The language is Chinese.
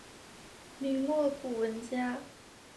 明末古文家。